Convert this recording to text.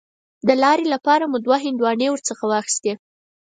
د لارې لپاره مو دوه هندواڼې ورڅخه واخیستې.